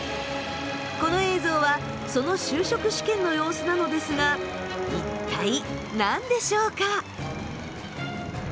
この映像はその就職試験の様子なのですが一体何でしょうか？